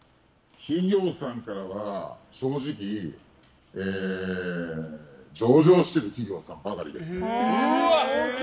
企業さんからは正直、上場している企業さんばかりです。